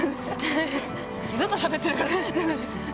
ずっとしゃべってるから。